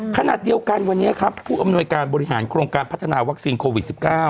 ขณะเดียวกันวันนี้ครับผู้อำนวยการบริหารโครงการพัฒนาวัคซีนโควิด๑๙